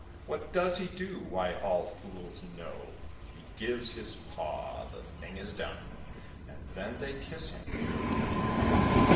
What does he do? why, all fools know He gives his paw; the thing is done, And then they kiss him every one.